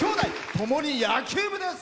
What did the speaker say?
ともに野球部です。